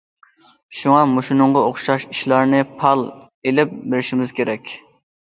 شۇڭا مۇشۇنىڭغا ئوخشاش ئىشلارنى پائال ئېلىپ بېرىشىمىز كېرەك.